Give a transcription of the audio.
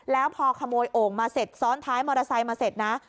แล้วพอขโมยโอ่งมาเสร็จซ้อนท้ายมอเตอร์ไซค์มาเสร็จนะ